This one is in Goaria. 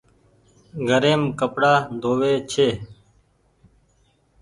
گهريم ڪپڙآ ڌو وي ڇي ۔